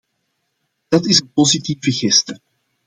Dat is een positieve geste.